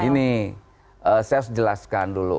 ini saya harus jelaskan dulu